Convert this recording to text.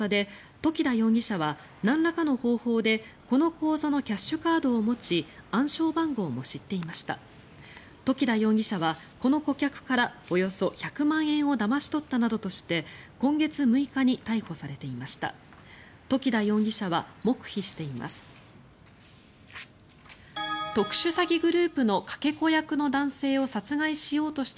時田容疑者はこの顧客からおよそ１００万円をだまし取ったなどとして今月６日に逮捕されていました。